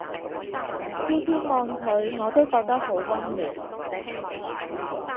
次次望佢我都覺得好溫暖